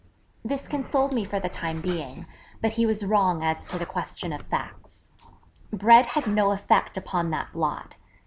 This consoled me for the time being: but he was wrong as to the question of facts. Bread had no effect upon that blot.